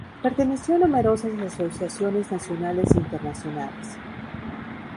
Perteneció a numerosas asociaciones nacionales e internacionales.